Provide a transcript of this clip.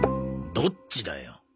どっちだよ。